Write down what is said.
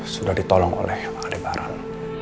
sudah ditolong oleh adik baran